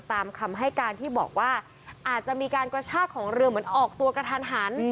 ตามคำให้การที่บอกว่าอาจจะมีการกระชากของเรือเหมือนออกตัวกระทันหัน